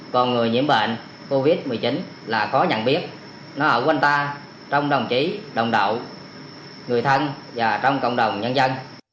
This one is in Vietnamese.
còn người nhiễm bệnh covid một mươi chín là có nhận biết nó ở quanh ta trong đồng chí đồng đội người thân và trong cộng đồng nhân dân